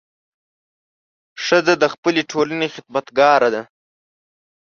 ښځه د خپلې ټولنې خدمتګاره ده.